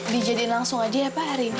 dijadikan langsung hadiah pak hari ini